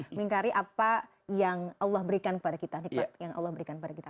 mengingkari apa yang allah berikan kepada kita